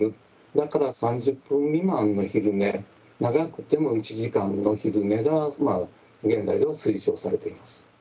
だから３０分未満の昼寝長くても１時間の昼寝が現在では推奨されています。